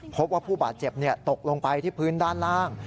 พบว่าผู้บาดเจ็บตกลงไปที่พื้นด้านล่าง